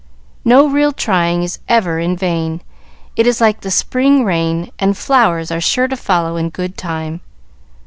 "No real trying is ever in vain. It is like the spring rain, and flowers are sure to follow in good time.